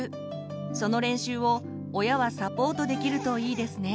その練習を親はサポートできるといいですね。